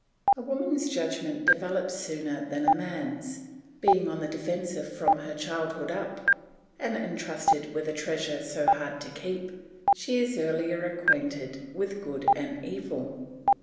A woman's judgment develops sooner than a man's; being on the defensive from her childhood up, and intrusted with a treasure so hard to keep, she is earlier acquainted with good and evil.